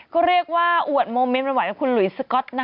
ก็เรียกว่าอวดโมเมนต์หวานกับคุณหลุยสก๊อตนะ